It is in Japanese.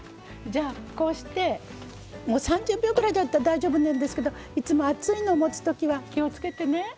じゃあこうして３０秒ぐらいだったら大丈夫なんですけどいつも熱いのを持つときは気をつけてね。